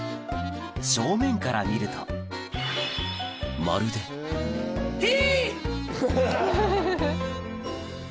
正面から見るとまるで・Ｔ！